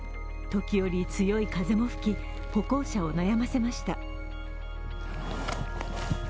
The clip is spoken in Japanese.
時折、強い風も吹き、歩行者を悩ませました。